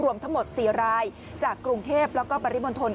รวมทั้งหมด๔รายจากกรุงเทพแล้วก็ปริมณฑล